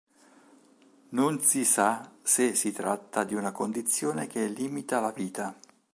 Non si sa se si tratta di una condizione che limita la vita.